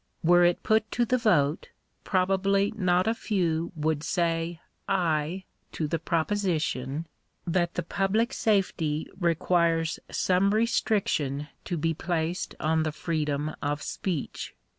Were it put to the vote, proba bly not a few would say ay to the proposition, that the public safety requires some restriction to be placed on the freedom of speech.